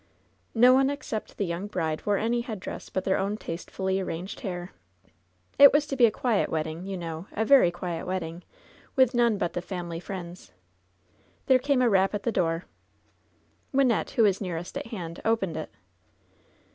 No one except the yoimg bride wore any headdress but their own tastefully arranged hair. It was to be a quiet wedding, you know — a very quiet wedding, with none but the family friends. There came a rap at the door. Wynnette, who was nearest at hand, opened it.